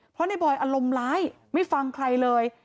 เพราะในบอยอารมณ์ร้ายไม่ฟังใครเลย